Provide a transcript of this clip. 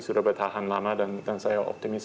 sudah bertahan lama dan saya optimis